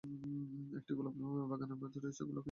একটি গোলাপ বাগানের মাঝে রয়েছে গোলাকৃতির একটি জলাশয়।